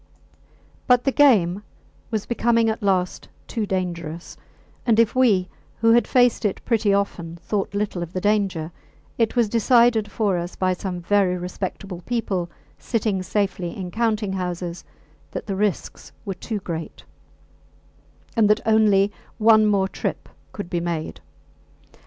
But the game was becoming at last too dangerous; and if we, who had faced it pretty often, thought little of the danger, it was decided for us by some very respectable people sitting safely in counting houses that the risks were too great, and that only one more trip could be made.